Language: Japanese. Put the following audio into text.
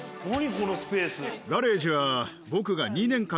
このスペース。